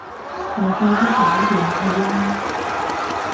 就快啲搞掂佢啦